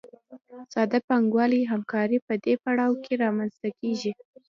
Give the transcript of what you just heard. ساده پانګوالي همکاري په دې پړاو کې رامنځته کېږي